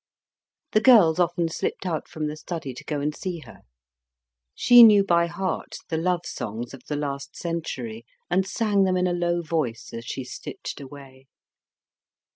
The girls often slipped out from the study to go and see her. She knew by heart the love songs of the last century, and sang them in a low voice as she stitched away.